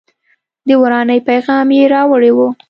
د ورانۍ پیغام یې راوړی و.